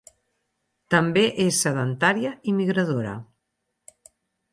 També és sedentària i migradora.